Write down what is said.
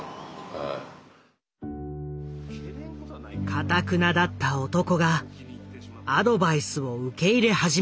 かたくなだった男がアドバイスを受け入れ始めた。